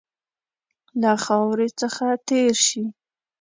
له خاوري څخه تېر شي.